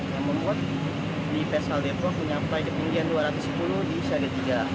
yang membuat di pesal depok mencapai ketinggian dua ratus sepuluh di seada tiga